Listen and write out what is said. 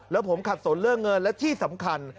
แล้วผมขัดสนเรื่องเงินและที่สำคัญ